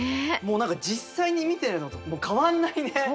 もう何か実際に見てるのともう変わんないね。